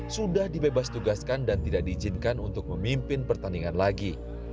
sudah dibebas tugaskan dan tidak diizinkan untuk memimpin pertandingan lagi